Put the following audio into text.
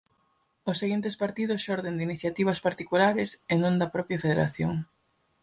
Os seguintes partidos xorden de iniciativas particulares e non da propia federación.